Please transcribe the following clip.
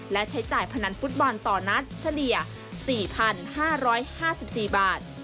และใช้จ่ายพนันฟุตบอลต่อนัดเฉลี่ย๔๕๕๔บาท